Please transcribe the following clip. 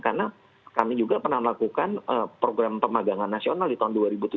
karena kami juga pernah melakukan program pemagangan nasional di tahun dua ribu tujuh belas